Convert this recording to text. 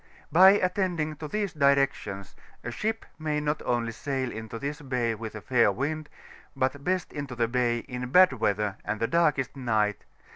By attending to these directions, a ship may not only sail into this bay with a fair wind, but beat into the bay in bad weather and the darkest night, without the least danger.